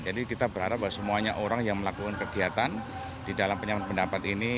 jadi kita berharap bahwa semuanya orang yang melakukan kegiatan di dalam pendapat ini